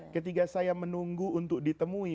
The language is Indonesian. ketika saya menunggu untuk ditemui